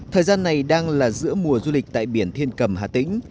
thời gian này đang là giữa mùa du lịch tại biển thiên cầm hà tĩnh